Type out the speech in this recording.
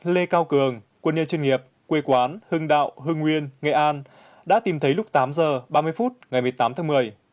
lê cao cường quân nhân chuyên nghiệp quê quán hưng đạo hưng nguyên nghệ an đã tìm thấy lúc tám h ba mươi phút ngày một mươi tám tháng một mươi